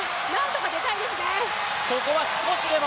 なんとかなんとか出たいですね。